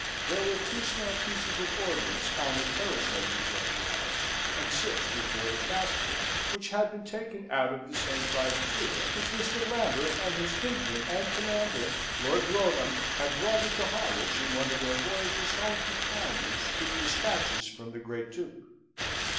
There were two small pieces of ordnance on the terrace of the jointure house, and six before the Castle, which had been taken out of the same privateer, which Mr. Lambert and his kinsman and commander, Lord Wrotham, had brought into Harwich in one of their voyages home from Flanders with despatches from the great Duke.